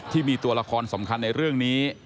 ที่มีตัวละครสำคัญในเรื่องนี้